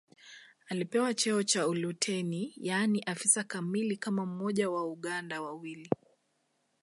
Alipewa cheo cha luteni yaani afisa kamili kama mmoja wa Wauganda wawili